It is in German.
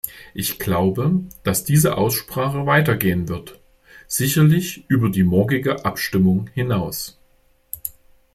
Ich glaube, dass diese Aussprache weitergehen wird, sicherlich über die morgige Abstimmung hinaus.